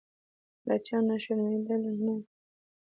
له چا نه شرمېدل نه.